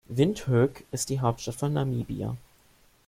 Windhoek ist die Hauptstadt von Namibia.